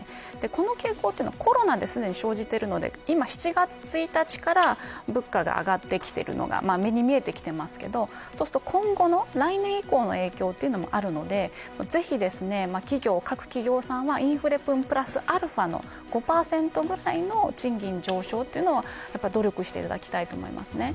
この傾向はコロナですでに生じているので今、７月１日から物価が上がってきているのが目に見えてきていますが今後の来年以降の影響もあるのでぜひ、各企業はインフレ分プラスアルファの５％ぐらいの賃金上昇を努力していただきたいと思いますね。